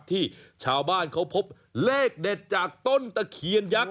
ที่ชาวบ้านเขาพบเลขเด็ดจากต้นตะเคียนยักษ